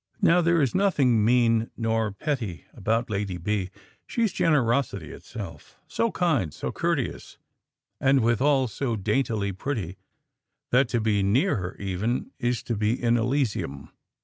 Now, there is nothing mean nor petty about Lady B ; she is generosity itself: so kind, so courteous, and withal so daintily pretty that to be near her, even, is to be in Elysium.